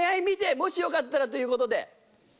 兼ね合い見てもしよかったらということで。